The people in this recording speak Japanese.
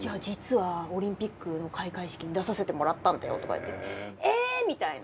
実はオリンピックの開会式に出させてもらったんだよとか言って。